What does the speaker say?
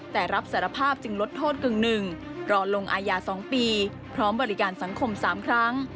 แต่รับสารภาพจึงลดโทษกึ่งหนึ่งรอลงอายา๒ปีพร้อมบริการสังคม๓ครั้ง